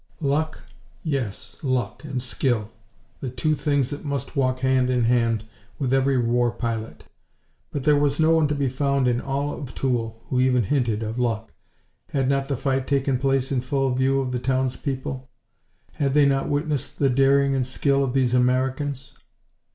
Luck? Yes, Luck and Skill the two things that must walk hand in hand with every war pilot. But there was no one to be found in all of Toul who even hinted of luck. Had not the fight taken place in full view of the townspeople? Had they not witnessed the daring and skill of these Americans?